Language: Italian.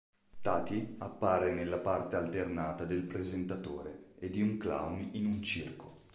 Tati appare nella parte alternata del presentatore e di un clown in un circo.